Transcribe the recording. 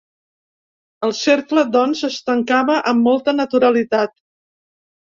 El cercle, doncs, es tancava amb molta naturalitat.